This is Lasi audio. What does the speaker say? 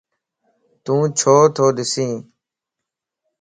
تون ڇو تو ڏسي؟